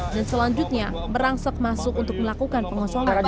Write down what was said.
dan selanjutnya berangsek masuk untuk melakukan pengosongan